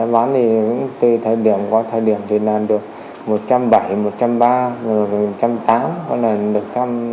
bán thì từ thời điểm qua thời điểm thì là được một trăm bảy mươi một trăm ba mươi một trăm tám mươi còn là được một trăm tám mươi hai một trăm tám mươi tám